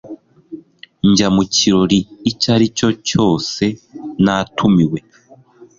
njya mu kirori icyo ari cyo cyose natumiwe